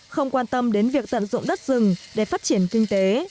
không quan tâm đến việc tận dụng đất rừng để phát triển kinh tế